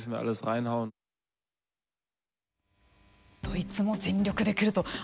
ドイツも全力で来ると。